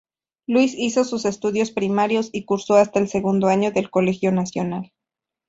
Luis hizo sus estudios primarios y cursó hasta el segundo año del Colegio Nacional.